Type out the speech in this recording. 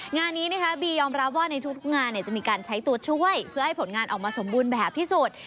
งานนี้นะคะบียอมรับว่าในทุกงานจะมีการใช้ตัวช่วยเพื่อให้ผลงานออกมาสมบูรณ์แบบที่สุด